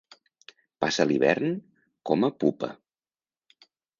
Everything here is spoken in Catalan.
Passa l'hivern com a pupa.